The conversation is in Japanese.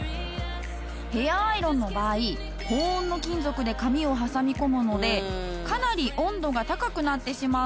ヘアアイロンの場合高温の金属で髪を挟み込むのでかなり温度が高くなってしまうんだけど。